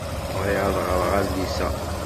Bɣiɣ ad ɣreɣ adlis-a.